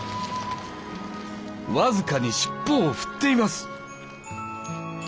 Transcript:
僅かに尻尾を振っています！